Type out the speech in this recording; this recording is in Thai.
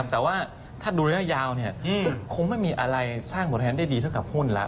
แต่ว่าถ้าดูระยะยาวก็คงไม่มีอะไรสร้างผลแทนได้ดีเท่ากับหุ้นแล้ว